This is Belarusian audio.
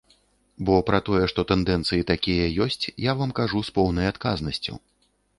Бо пра тое, што тэндэнцыі такія ёсць, я вам кажу з поўнай адказнасцю.